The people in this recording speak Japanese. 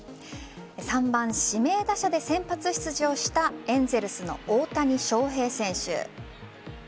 ３番・指名打者で先発出場したエンゼルスの大谷翔平選手。